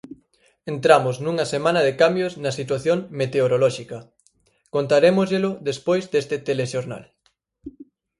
Entramos nunha semana de cambios na situación meteorolóxica, contarémosllelo despois deste telexornal.